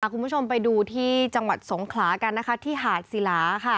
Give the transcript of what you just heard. คุณผู้ชมไปดูที่จังหวัดสงขลากันนะคะที่หาดศิลาค่ะ